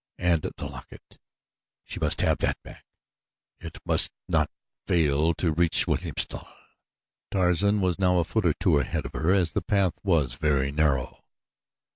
And the locket! She must have that back it must not fail to reach Wilhelmstal. Tarzan was now a foot or two ahead of her as the path was very narrow.